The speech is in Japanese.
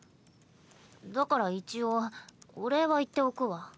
だから一応お礼は言っておくわ。